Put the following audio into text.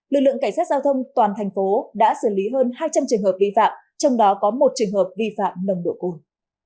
lực lượng cảnh sát giao thông toàn thành phố đã xử lý hơn hai trăm linh trường hợp vi phạm trong đó có một trường hợp vi phạm nồng độ cồn